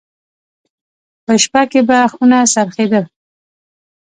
په شپه کې به خونه څرخېدل.